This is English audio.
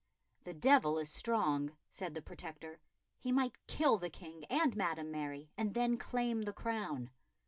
"The devil is strong," said the Protector. "He might kill the King and Madam Mary, and then claim the crown."